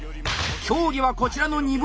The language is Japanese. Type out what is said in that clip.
競技はこちらの２部門。